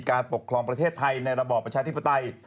การปกครองประเทศไทยในระบอบประชาธิปไตย